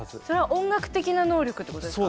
それは音楽的な能力ってこと？